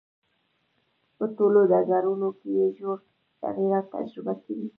په ټولو ډګرونو کې یې ژور تغییرات تجربه کړي.